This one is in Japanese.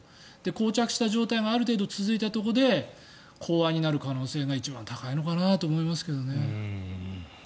こう着した状態がある程度続いたところで講和になる可能性が一番高いのかなと思いますけどね。